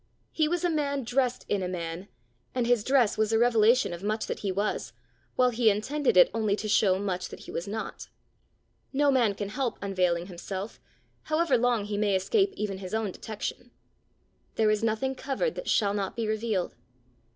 He was a man dressed in a man, and his dress was a revelation of much that he was, while he intended it only to show much that he was not. No man can help unveiling himself, however long he may escape even his own detection. There is nothing covered that shall not be revealed.